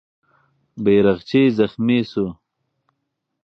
بیرغچی زخمي سو.